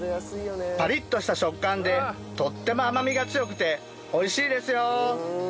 パリッとした食感でとっても甘みが強くて美味しいですよ！